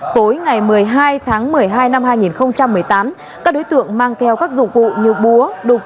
tối ngày một mươi hai tháng một mươi hai năm hai nghìn một mươi tám các đối tượng mang theo các dụng cụ như búa đục